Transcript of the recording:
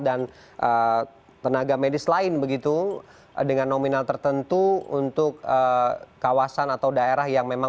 dan tenaga medis lain begitu dengan nominal tertentu untuk kawasan atau daerah yang memang